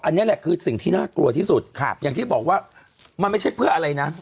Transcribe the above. อันนี้แหละคือสิ่งที่น่ากลัวที่สุดอย่างที่บอกว่ามันไม่ใช่เพื่ออะไรนะ